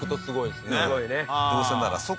すごいね。